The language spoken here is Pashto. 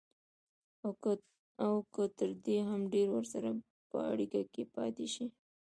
او که تر دې هم ډېر ورسره په اړيکه کې پاتې شي.